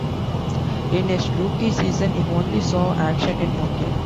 In his rookie season he only saw action in one game.